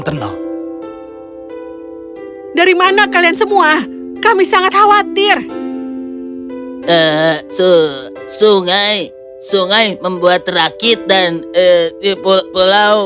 tenang dari mana kalian semua kami sangat khawatir eh so sungai sungai membuat rakit dan eh pulau